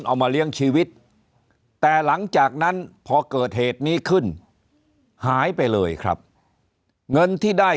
เอามาเลี้ยงชีวิตแต่หลังจากนั้นพอเกิดเหตุนี้ขึ้นหายไปเลยครับเงินที่ได้